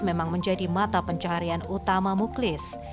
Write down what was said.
memang menjadi mata pencaharian utama muklis